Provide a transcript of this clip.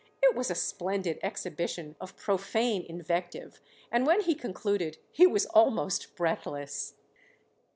It was a splendid exhibition of profane invective, and when he concluded he was almost breathless.